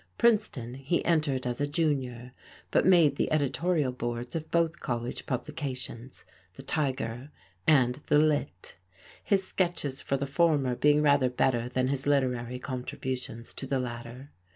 Princeton he entered as a junior, but "made" the editorial boards of both college publications, the Tiger and the Lit his sketches for the former being rather better than his literary contributions to the latter.